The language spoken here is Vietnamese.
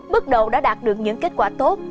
bức độ đã đạt được những kết quả tốt